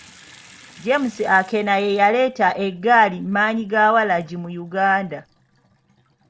James Akena ye yaleeta egaali maanyigawalagi mu Uganda.